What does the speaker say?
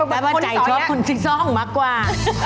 แต่ว่าใจชอบคนที่ซ่องมากกว่า